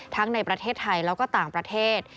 ในประเทศไทยแล้วก็ต่างประเทศ